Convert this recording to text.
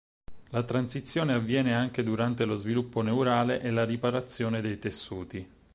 La transizione avviene anche durante lo sviluppo neurale e la riparazione dei tessuti.